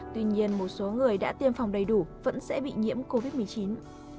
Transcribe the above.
tuy nhiên một số người đã tiêm phòng đầy đủ vẫn sẽ bị nhiễm covid một mươi chín